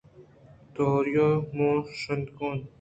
تہاری ءَ مانشانتگ اَت